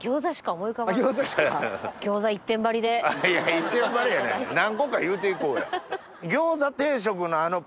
一点張りやないねん何個か言うていこうや。